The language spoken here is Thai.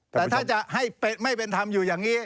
แต่ถ้าจะให้ไม่เป็นธรรมอยู่อย่างนี้